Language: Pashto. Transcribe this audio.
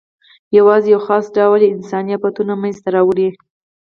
یواځې یو خاص ډول یې انساني آفتونه منځ ته راوړي.